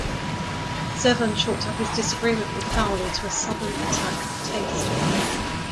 Zevon chalked up his disagreement with Fowley to a sudden attack of taste.